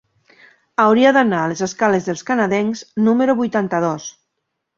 Hauria d'anar a les escales dels Canadencs número vuitanta-dos.